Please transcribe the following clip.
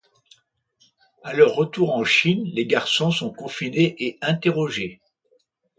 À leur retour en Chine, les garçons sont confinés et interrogés.